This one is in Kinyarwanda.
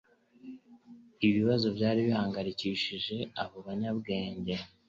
Ibibazo byari bihangayikishije abo banyabwenge